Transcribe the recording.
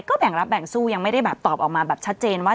ก็แบ่งรับแบ่งสู้ยังไม่ได้แบบตอบออกมาแบบชัดเจนว่า